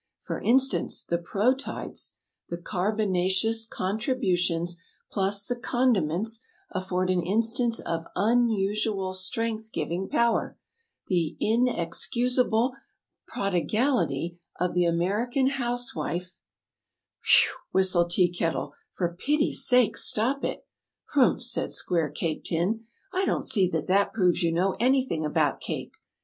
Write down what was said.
For instance, the proteids, the car bon a ce ous contrib u tions plus the con di ments, afford an instance of un u su al strength giving power. The in ex cus a ble prod i gal i ty of the A mer i can house wife '" [Illustration: "I'll make the sponge cake first," said Mary Frances.] "Whew!" whistled Tea Kettle, "for pity's sake, stop it!" "Humph!" said Square Cake Tin, "I don't see that that proves you know anything about cake.